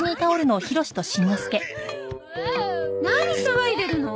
何騒いでるの？